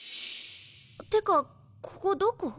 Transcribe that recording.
ってかここどこ？